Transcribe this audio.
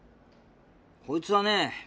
こいつはね